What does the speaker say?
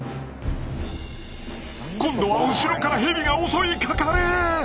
今度は後ろからヘビが襲いかかる！